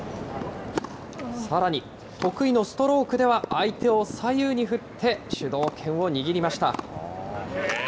さらに得意のストロークでは、相手を左右に振って、主導権を握りました。